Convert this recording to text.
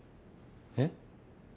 えっ？